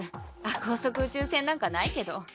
亜光速宇宙船なんかないけど。